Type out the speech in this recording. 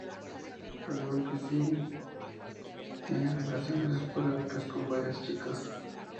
Al igual que Sim, tiene relaciones esporádicas con varias chicas.